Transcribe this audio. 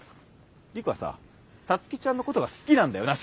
陸はさ皐月ちゃんのことが好きなんだよな？